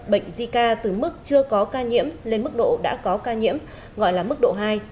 bệnh zika từ mức chưa có ca nhiễm lên mức độ đã có ca nhiễm gọi là mức độ hai